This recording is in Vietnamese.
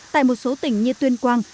tại một số tỉnh như tuyên quang